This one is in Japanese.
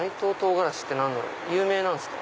有名なんすか？